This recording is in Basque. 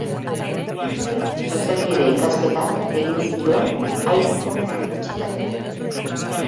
Zuzenbide-ikasketak egin zituen Haitiko Unibertsitatean.